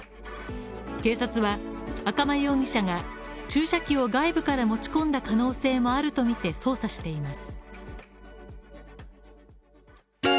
警察は赤間容疑者が注射器を外部から持ち込んだ可能性もあるとみて捜査しています。